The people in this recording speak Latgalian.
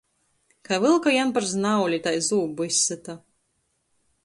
Kai vylka jam par znauli, tai zūbu izsyta.